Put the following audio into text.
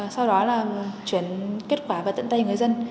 sau đó là chuyển kết quả về tận tay người dân